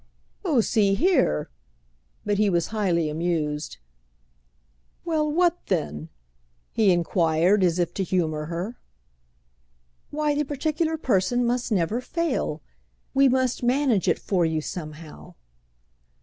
"Oh see here!" But he was highly amused. "Well, what then?" he enquired as if to humour her. "Why the particular person must never fail. We must manage it for you somehow."